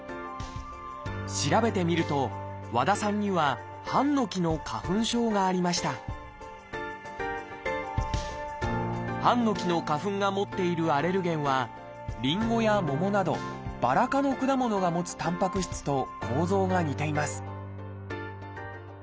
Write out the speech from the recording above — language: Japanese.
調べてみると和田さんにはハンノキの花粉症がありましたハンノキの花粉が持っているアレルゲンはリンゴやモモなどバラ科の果物が持つたんぱく質と構造が似ています